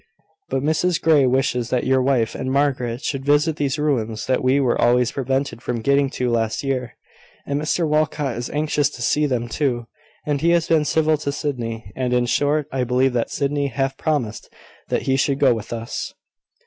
But Mrs Grey wishes that your wife and Margaret should visit these ruins that we were always prevented from getting to last year: and Mr Walcot is anxious to see them too; and he has been civil to Sydney; and, in short, I believe that Sydney half promised that he should go with us."